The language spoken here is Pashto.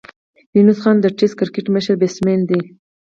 یونس خان د ټېسټ کرکټ مشر بېټسمېن دئ.